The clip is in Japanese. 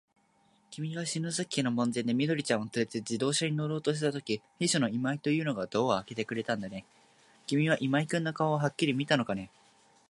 きみが篠崎家の門前で、緑ちゃんをつれて自動車に乗ろうとしたとき、秘書の今井というのがドアをあけてくれたんだね。きみは今井君の顔をはっきり見たのかね。